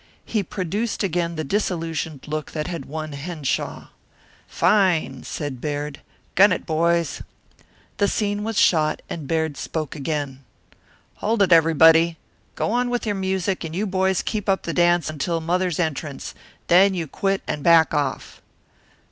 He produced again the disillusioned look that had won Henshaw. "Fine," said Baird. "Gun it, boys." The scene was shot, and Baird spoke again: "Hold it, everybody; go on with your music, and you boys keep up the dance until Mother's entrance, then you quit and back off."